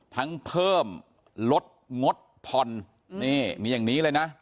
เพิ่มลดงดผ่อนนี่มีอย่างนี้เลยนะ